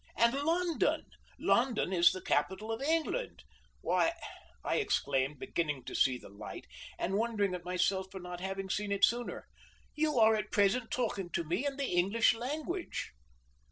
"And London! London is the capital of England. Why," I exclaimed, beginning to see light, and wondering at myself for not having seen it sooner, "you are at present talking to me in the English language."